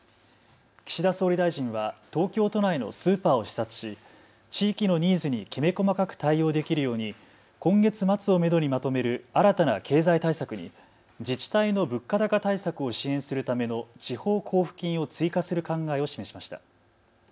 岸田総理大臣は東京都内のスーパーを視察し地域のニーズにきめ細かく対応できるように今月末をめどにまとめる新たな経済対策に自治体の物価高対策を支援するための地方交付金を追加する考えを示しました。